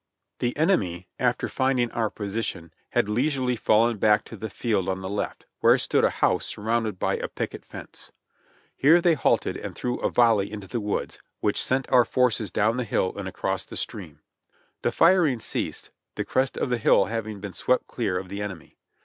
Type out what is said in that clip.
The enemy, after finding our position, had leisurely fallen back to the field on the left, where stood a house surrounded by a picket fence. Here they halted and threw a volley into the woods, which sent our forces down the hill and across the stream. The firing ceased, the crest of the hill having been swept clear of the enemy.